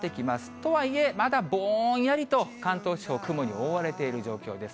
とはいえ、まだぼんやりと関東地方、雲に覆われている状況です。